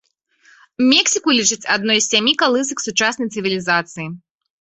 Мексіку лічаць адной з сямі калысак сучаснай цывілізацыі.